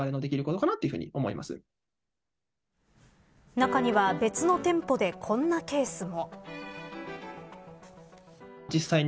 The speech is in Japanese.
中には別の店舗でこんなケースも。